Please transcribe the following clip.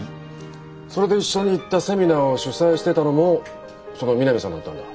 それで一緒に行ったセミナーを主催してたのもその三並さんだったんだ。